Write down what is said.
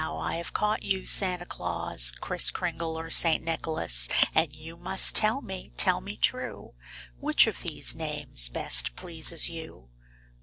I have caught you Santa Claus, Kriss Kringle or St. Nicholas, And you must tell me, tell me true. Which of these names best pleases you'?